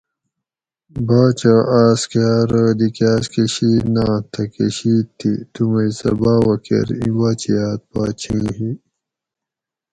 باچا آس کہ ارو دی کاۤس کہ شید نات تھکہ شید تھی تو مئ سہ باوہ کۤر ایں باچیاۤت پا چھیں ھی